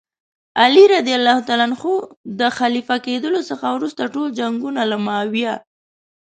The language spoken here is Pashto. علي رض د خلیفه کېدلو څخه وروسته ټول جنګونه له معاویه.